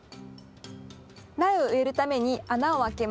苗を植えるために穴を開けます。